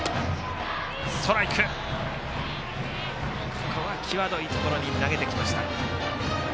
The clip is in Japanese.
ここは際どいところに投げてきました。